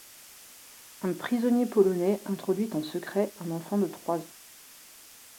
Un prisonnier polonais introduit en secret un enfant de trois ans.